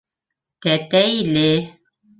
Тәтәйле.